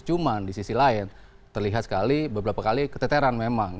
cuma di sisi lain terlihat sekali beberapa kali keteteran memang